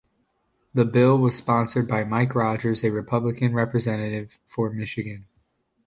The bill was sponsored by Mike Rogers, a republican representative for Michigan.